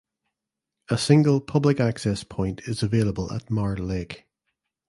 A single public access point is available at Marl Lake.